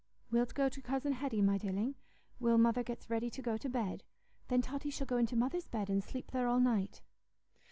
"Wilt go to Cousin Hetty, my dilling, while mother gets ready to go to bed? Then Totty shall go into Mother's bed, and sleep there all night."